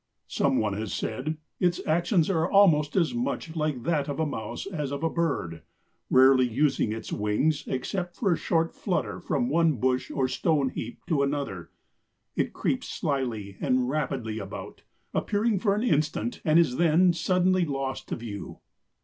Some one has said, "Its actions are almost as much like that of a mouse as of a bird, rarely using its wings except for a short flutter from one bush or stone heap to another; it creeps slyly and rapidly about, appearing for an instant and is then suddenly lost to view."